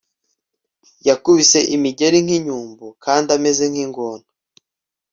yakubise imigeri nk'inyumbu kandi ameze nk'ingona